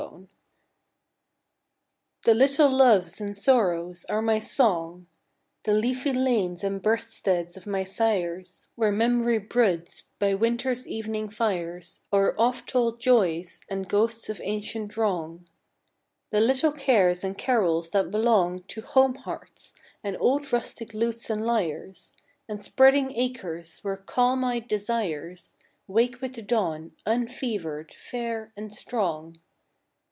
Home Songs The little loves and sorrows are my song: The leafy lanes and birthsteads of my sires, Where memory broods by winter's evening fires O'er oft told joys, and ghosts of ancient wrong; The little cares and carols that belong To home hearts, and old rustic lutes and lyres, And spreading acres, where calm eyed desires Wake with the dawn, unfevered, fair, and strong.